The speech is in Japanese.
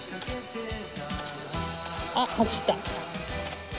あっ走った。